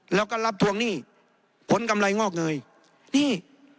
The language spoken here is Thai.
แล้วก็รับทวงหนี้ผลกำไรงอกเงยนี่